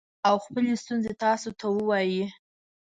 او خپلې ستونزې تاسو ته ووايي